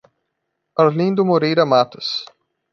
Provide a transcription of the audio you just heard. Arlindo Moreira Matos